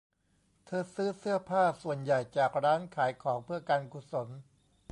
เธอซื้อเสื้อผ้าส่วนใหญ่จากร้านขายของเพื่อการกุศล